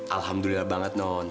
alhamdulillah banget non